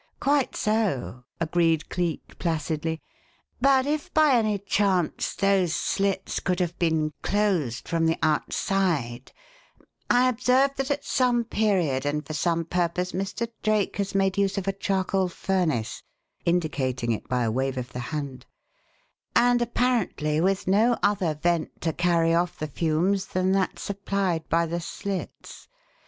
"Quite so," agreed Cleek placidly. "But if by any chance those slits could have been closed from the outside I observe that at some period and for some purpose Mr. Drake has made use of a charcoal furnace" indicating it by a wave of the hand "and apparently with no other vent to carry off the fumes than that supplied by the slits.